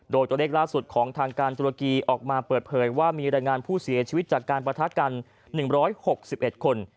โดยตัวเลขล่าสุดของทางการตุรกีออกมาเปิดเผยว่ามีรายงานผู้เสียชีวิตจากการประทะกัน๑๖๑คน